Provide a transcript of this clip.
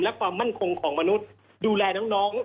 และความมั่นคงของมนุษย์ดูแลน้อง